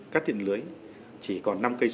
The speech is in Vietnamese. cắt điện lưới chỉ còn năm km